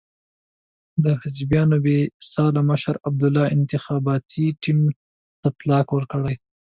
د حزبیانو بې سیاله مشر د عبدالله انتخاباتي ټیم ته طلاق ورکړی.